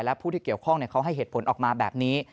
และผู้ที่เกี่ยวข้องเขาให้เหตุผลออกมาแบบนี้